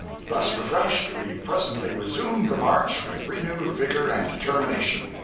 Thus refreshed, we presently resumed the march with renewed vigor and determination.